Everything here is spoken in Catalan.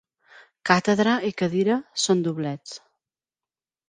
'Càtedra' i 'cadira' són doblets.